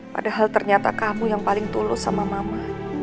padahal ternyata kamu yang paling tulus sama mama